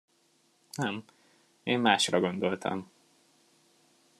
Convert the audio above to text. Nem, én másra gondoltam...